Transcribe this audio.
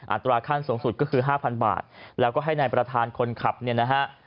ตราขั้นสูงสุดก็คือ๕๐๐บาทแล้วก็ให้นายประธานคนขับเนี่ยนะฮะ